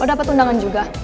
lo dapet undangan juga